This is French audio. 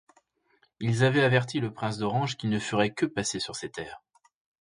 Ils avaient averti le Prince d’Orange qu’ils ne feraient que passer sur ses terres.